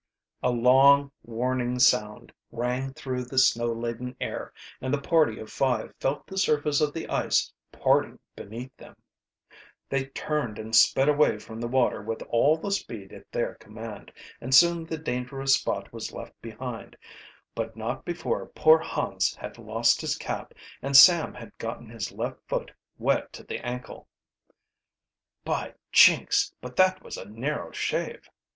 Ca a ac ck! A long warning sound rang through the snow laden air and the party of five felt the surface of the ice parting beneath them. They turned and sped away from the water with all the speed at their command, and soon the dangerous spot was left behind, but not before poor Hans had lost his cap and Sam had gotten his left foot wet to the ankle. "By jinks! but that was a narrow shave!"